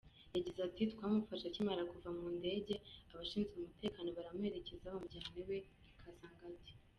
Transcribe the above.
Yagize ati “ Twamufashe akimara kuva mu ndege, abashinzwe umutekano baramuherekeza bamujyana iwe i Kasangati.